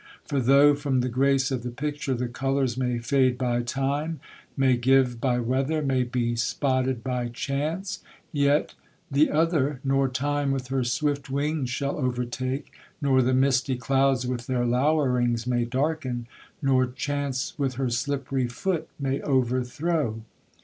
For thogth from the grace of the pictur, the coulers may fade by time, may giue by wether, may be spotted by chance, yet the other nor time with her swift winges shall ouertake, nor the mistie cloudes with their loweringes may darken, nor chance with her slipery fote may ouerthrow.